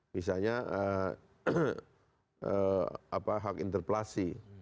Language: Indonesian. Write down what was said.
misalnya hak interpelasi